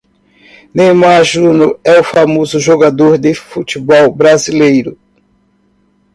O Neymar Jr é um famoso jogador de futebol brasileiro.